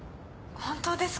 本当ですか？